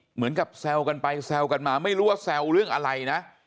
แซวกันไปแซวกันมาไม่รู้ว่าแซวเรื่องอะไรนะ